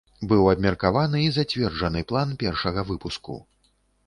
Быў абмеркаваны і зацверджаны план першага выпуску.